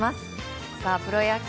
プロ野球